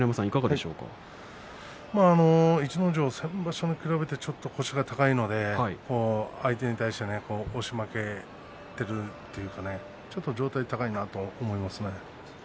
逸ノ城は先場所に比べてちょっと腰が高いので相手に対して押し負けているというかちょっと上体が高いなと思いますね。